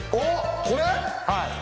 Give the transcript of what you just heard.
はい。